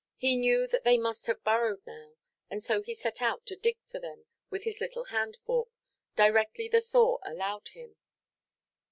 He knew that they must have burrowed now, and so he set out to dig for them with his little handfork, directly the thaw allowed him.